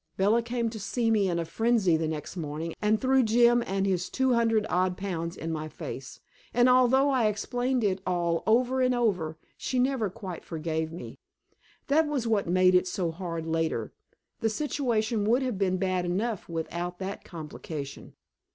Bella came to see me in a frenzy the next morning and threw Jim and his two hundred odd pounds in my face, and although I explained it all over and over, she never quite forgave me. That was what made it so hard later the situation would have been bad enough without that complication.